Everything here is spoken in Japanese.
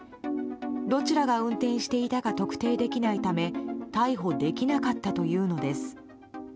どちらが運転していたか特定できないため逮捕できなかったというのです。